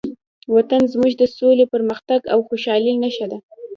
وطن زموږ د سولې، پرمختګ او خوشحالۍ نښه ده.